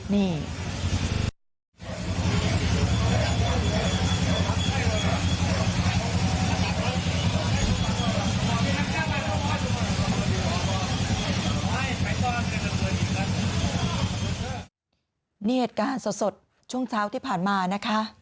นี่เหตุการณ์สดช่วงเช้าที่ผ่านมานะคะ